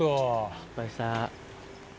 失敗した。